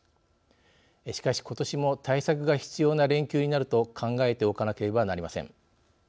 しかし、ことしも対策が必要な連休になると考えておかなければなりません。